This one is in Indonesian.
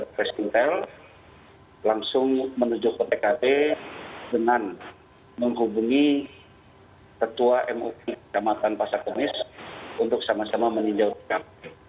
pembeli skintel langsung menuju ke pkp dengan menghubungi ketua mup kecamatan pasar kemis untuk sama sama meninjau pkp